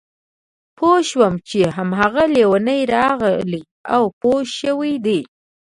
پوه شوم چې هماغه لېونی راغلی او پوه شوی دی